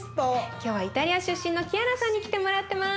今日はイタリア出身のキアラさんに来てもらってます。